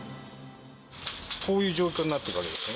こういう状況になっているんですね。